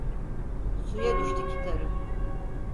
Suya düştü kitarı.